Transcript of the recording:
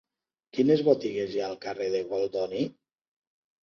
Quines botigues hi ha al carrer de Goldoni?